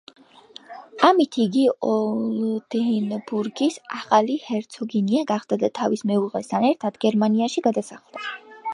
ამით იგი ოლდენბურგის ახალი ჰერცოგინია გახდა და თავის მეუღლესთან ერთად გერმანიაში გადასახლდა.